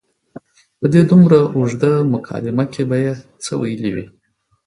په دې دومره اوږده مکالمه کې به یې څه ویلي وي.